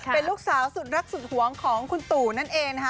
เป็นลูกสาวสุดรักสุดหวงของคุณตู่นั่นเองนะคะ